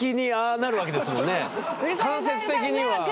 間接的には俺が。